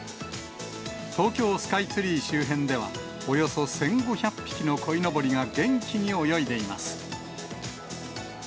東京スカイツリー周辺では、およそ１５００匹のこいのぼりが元気に泳いでいます。